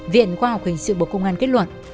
viện khoa học hình sự bộ công an kết luận